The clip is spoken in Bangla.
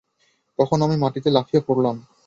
তখন আমি মাটিতে লাফিয়ে পড়লাম।